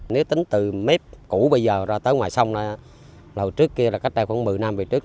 nếu tính từ mép cũ bây giờ ra tới ngoài sông trước kia là cách đây khoảng một mươi năm về trước